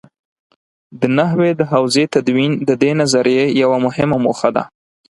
د نحوې د حوزې تدوین د دې نظریې یوه مهمه موخه ده.